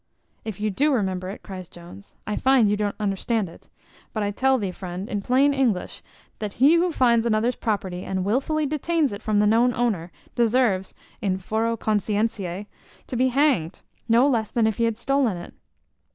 "If you do remember it," cries Jones, "I find you don't understand it; but I tell thee, friend, in plain English, that he who finds another's property, and wilfully detains it from the known owner, deserves, in foro conscientiae, to be hanged, no less than if he had stolen it.